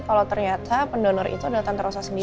kalau ternyata pendonor itu adalah tante rosa sendiri